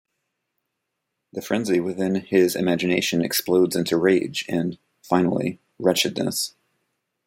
The frenzy within his imagination explodes into rage and, finally, wretchedness.